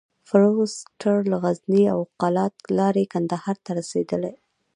فورسټر له غزني او قلات لاري کندهار ته رسېدلی.